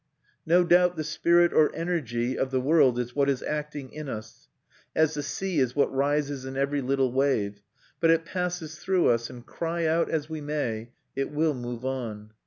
No doubt the spirit or energy of the world is what is acting in us, as the sea is what rises in every little wave; but it passes through us, and cry out as we may, it will move on.